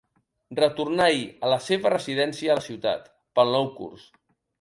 Retornà ahir a la seva residència a la ciutat pel nou curs.